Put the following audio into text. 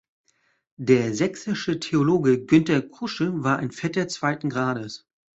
Der sächsische Theologe Günter Krusche war ein Vetter zweiten Grades.